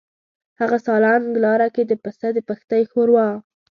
هغه سالنګ لاره کې د پسه د پښتۍ ښوروا.